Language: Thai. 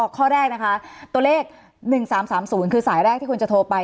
ข้อแรกนะคะตัวเลข๑๓๓๐คือสายแรกที่คุณจะโทรไป